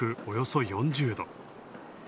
およそ４０度。